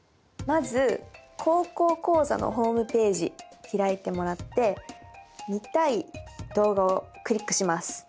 まず「高校講座」のホームページ開いてもらって見たい動画をクリックします。